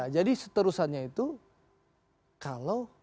jadi seterusannya itu kalau